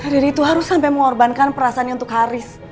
diri itu harus sampai mengorbankan perasaannya untuk haris